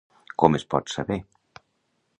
Com es pot saber?